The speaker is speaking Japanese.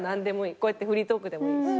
こうやってフリートークでもいいし。